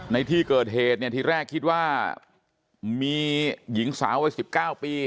ในที่เกิดเหตุที่แรกคิดว่ามีหญิงสาวเกือบ๑๙ปี